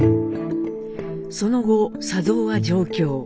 その後佐三は上京。